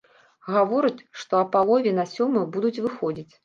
Гавораць, што а палове на сёмую будуць выходзіць.